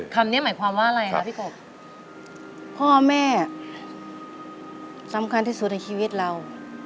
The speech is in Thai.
คำนี้หมายความว่าอะไรคะพี่กบพ่อแม่สำคัญที่สุดในชีวิตเรา